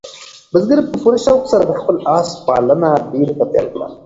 بزګر په پوره شوق سره د خپل آس پالنه بېرته پیل کړه.